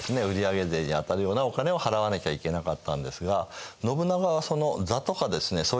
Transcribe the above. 売上税に当たるようなお金を払わなきゃいけなかったんですが信長はその座とかですね